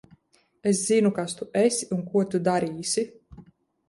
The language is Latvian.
Es zinu, kas tu esi un ko tu darīsi.